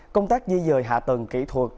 công tác di dời hạ tầng kỹ thuật